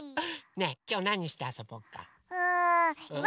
ねえきょうなにしてあそぼうか？